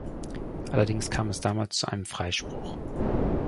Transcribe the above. Allerdings kam es damals zu einem Freispruch.